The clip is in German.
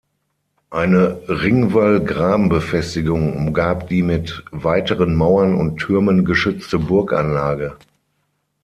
Eine Ringwall-Graben Befestigung umgab die mit weiteren Mauern und Türmen geschützte Burganlage.